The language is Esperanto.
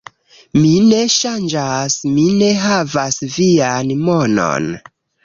Mi ne ŝanĝas, mi ne havas vian monon